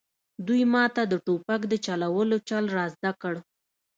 دوی ماته د ټوپک د چلولو چل را زده کړ